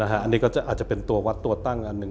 อันนี้ก็อาจจะเป็นตัววัดตัวตั้งอันหนึ่ง